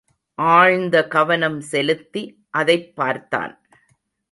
ஆழ்ந்த கவனம் செலுத்தி அதைப் பார்த்தான்.